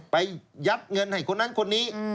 ยัดเงินให้คนนั้นคนนี้